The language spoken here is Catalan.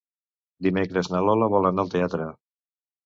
Dimecres na Lola vol anar al teatre.